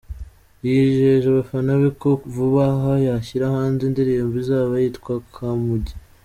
Yijeje abafana be ko vuba aha ashyira hanze indirimbo izaba yitwa ‘Kamugi’.